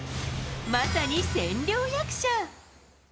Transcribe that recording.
まさに千両役者。